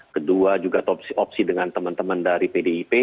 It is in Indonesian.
kedua juga opsi opsi dengan teman teman dari pdip